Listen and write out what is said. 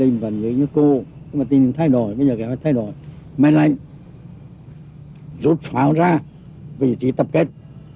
mình lại rút pháo ra vị trí tập kết